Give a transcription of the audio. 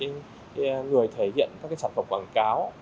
người thể hiện các cái sản phẩm quảng cáo